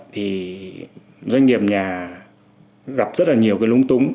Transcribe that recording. thì doanh nghiệp nhà gặp rất là nhiều cái lúng túng